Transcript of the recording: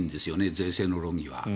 税制の論議は。